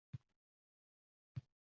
Unga puxta tayyorgarlik ko`rish kerak